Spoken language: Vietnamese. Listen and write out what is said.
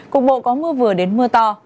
cục bộ có mưa vừa đến mưa to